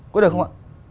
có được không ạ